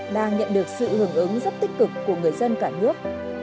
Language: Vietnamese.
đang nhận được sự hưởng ứng rất tích cực của người dân cả nước